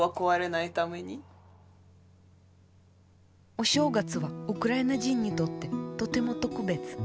お正月はウクライナ人にとってとても特別。